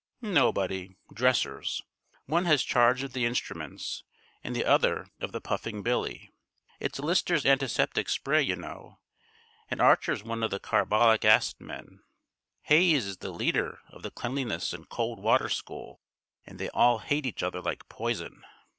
"Nobody dressers. One has charge of the instruments and the other of the puffing Billy. It's Lister's antiseptic spray, you know, and Archer's one of the carbolic acid men. Hayes is the leader of the cleanliness and cold water school, and they all hate each other like poison."